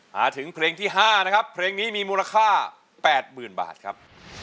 มาถึงเพลงที่๕นะครับเพลงนี้มีมูลค่า๘๐๐๐บาทครับ